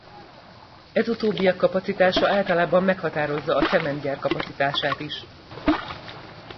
Ez utóbbiak kapacitása általában meghatározza a cementgyár kapacitását is.